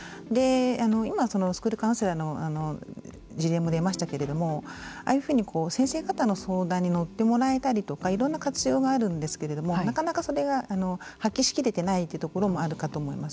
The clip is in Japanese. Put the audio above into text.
今、スクールカウンセラーの事例も出ましたけれどもああいうふうに先生方の相談に乗ってもらえたりとかいろんな活用があるんですけれどもなかなかそれが発揮しきれてないかなというところがあると思います。